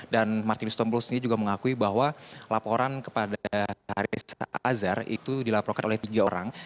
dan martinus hitompul sendiri juga mengakui bahwa laporan kepada haris azhar itu dilaporkan oleh tiga orang